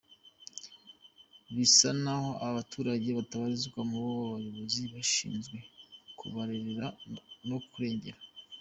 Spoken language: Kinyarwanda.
Bisa naho aba baturage batabarizwa mubo aba bayobozi bashinzwe kureberera no kurengera!